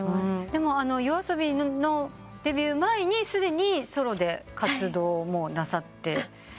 でもＹＯＡＳＯＢＩのデビュー前にすでにソロで活動もなさってた。